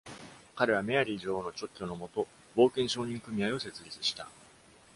彼はメアリー女王の勅許の下、冒険商人組合を設立した。